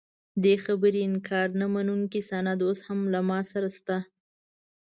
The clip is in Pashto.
دې خبرې انکار نه منونکی سند اوس هم له ما سره شته.